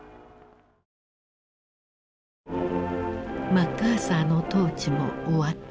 マッカーサーの統治も終わった。